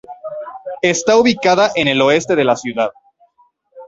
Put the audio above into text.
Está ubicada en al oeste de la ciudad.